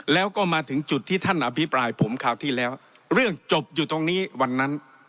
แล้วก็มาถึงจุดที่ท่านอภิปรายผมคราวที่แล้วเรื่องจบอยู่ตรงนี้วันนั้น